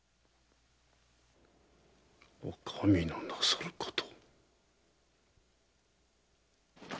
お上のなさること。